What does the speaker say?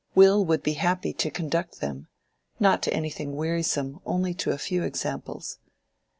Will would be happy to conduct them—not to anything wearisome, only to a few examples.